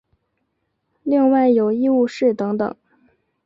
另外有医务室等等。